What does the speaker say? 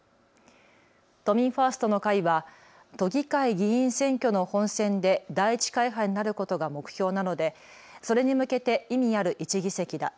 都民ファーストの会は都議会議員選挙の本選で第１会派になることが目標なのでそれに向けて意味ある１議席だ。